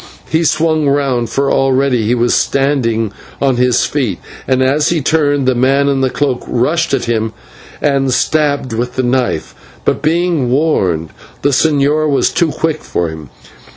He swung round, for already he was standing on his feet, and, as he turned, the man in the cloak rushed at him and stabbed with the knife. But, being warned, the señor was too quick for him.